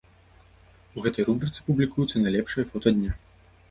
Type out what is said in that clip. У гэтай рубрыцы публікуецца найлепшае фота дня.